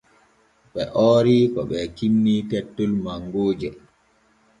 Ɓe oori ko ɓee kinni tettol mangooje.